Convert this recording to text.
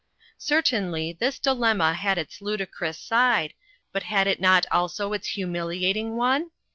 Certainly, this dilemma had its ludicrous side, but had it not also its humiliating one